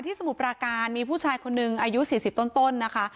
สมุทรปราการมีผู้ชายคนหนึ่งอายุ๔๐ต้นนะคะ